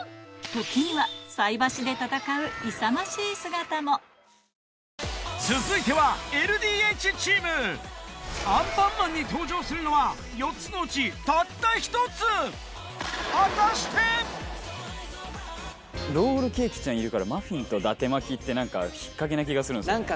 時には菜箸で戦う勇ましい姿も『アンパンマン』に登場するのは４つのうちたった１つロールケーキちゃんいるからマフィンと伊達巻って引っ掛けな気がするんですよ。